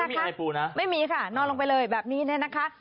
ไม่มีอะไรปูนะไม่มีค่ะนอนลงไปเลยแบบนี้เนี่ยนะคะ